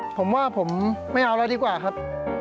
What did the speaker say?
ผมว่าผมไม่เอาแล้วดีกว่าครับ